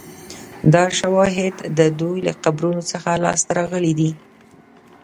دا شواهد د دوی له قبرونو څخه لاسته راغلي دي